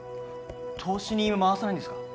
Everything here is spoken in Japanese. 投資に回さないんですか？